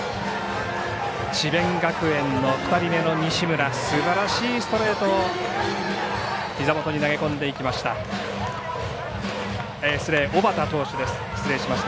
智弁学園の２人目の西村すばらしいストレート膝元に投げ込んできました。